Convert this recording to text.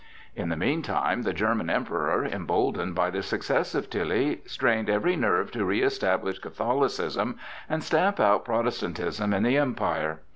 In the meantime the German Emperor, emboldened by the successes of Tilly, strained every nerve to reëstablish Catholicism and stamp out Protestantism in the Empire.